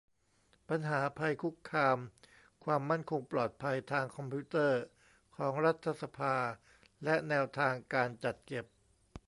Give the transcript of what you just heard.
ปัญหาภัยคุกคามความมั่นคงปลอดภัยทางคอมพิวเตอร์ของรัฐสภา และ แนวทางการจัดเก็บ